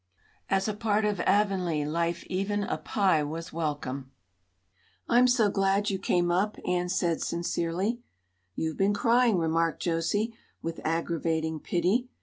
As a part of Avonlea life even a Pye was welcome. "I'm so glad you came up," Anne said sincerely. "You've been crying," remarked Josie, with aggravating pity.